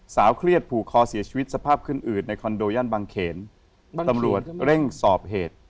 เครียดผูกคอเสียชีวิตสภาพขึ้นอืดในคอนโดย่านบางเขนตำรวจเร่งสอบเหตุ